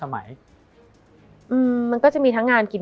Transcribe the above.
มันทำให้ชีวิตผู้มันไปไม่รอด